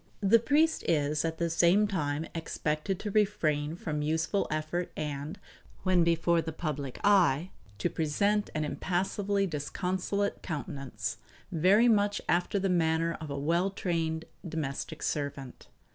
The priest is at the same time expected to refrain from useful effort and, when before the public eye, to present an impassively disconsolate countenance, very much after the manner of a well trained domestic servant.